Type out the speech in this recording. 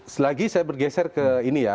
selagi saya bergeser ke ini ya